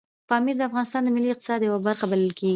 پامیر د افغانستان د ملي اقتصاد یوه برخه بلل کېږي.